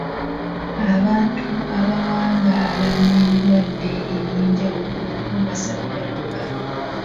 Abantu abawangaala n'ebirwadde eby'enjawulo nabo basabira waka.